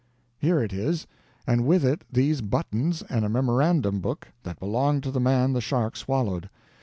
"Here it is and with it these buttons and a memorandum book that belonged to the man the shark swallowed.